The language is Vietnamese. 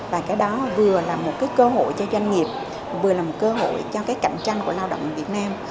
và cái đó vừa là một cái cơ hội cho doanh nghiệp vừa là một cơ hội cho cái cạnh tranh của lao động việt nam